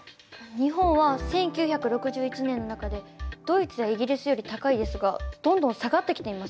日本は１９６１年の中でドイツやイギリスより高いですがどんどん下がってきています。